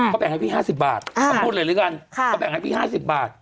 เขาแบ่งให้พี่๕๐บาทเขาพูดเลยด้วยกันเขาแบ่งให้พี่๕๐บาท